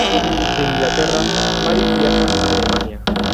De Inglaterra, Maris viaja a Alemania.